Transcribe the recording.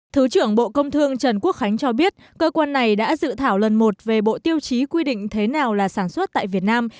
thứ trưởng bộ công thương trần quốc khánh cho biết cơ quan này đã dự thảo lần một về bộ tiêu chí quy định thế nào là sản xuất tại việt nam